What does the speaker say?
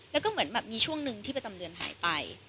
แล้วก็เหมือนแบบมีช่วงหนึ่งที่ประจำเดือนหายไป